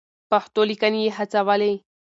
پښتو ليکنې يې هڅولې.